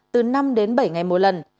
từ năm đến bảy ngày một lần